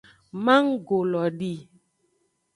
Manggo lo di.